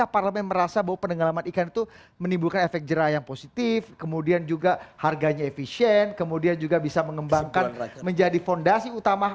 parlemen melihat bahwa selama ini